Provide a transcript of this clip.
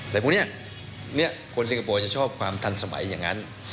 แต่พวกนี้คนสิงคโปร์จะชอบความทันสมัยอย่างนั้น